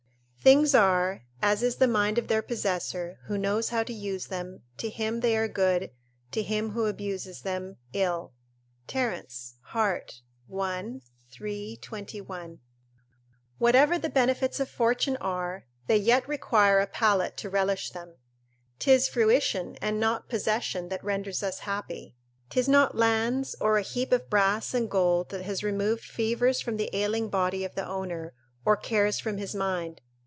["Things are, as is the mind of their possessor; who knows how to use them, to him they are good; to him who abuses them, ill." Terence, Heart., i. 3, 21.] Whatever the benefits of fortune are, they yet require a palate to relish them. 'Tis fruition, and not possession, that renders us happy: ["'Tis not lands, or a heap of brass and gold, that has removed fevers from the ailing body of the owner, or cares from his mind.